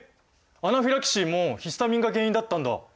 アナフィラキシーもヒスタミンが原因だったんだ！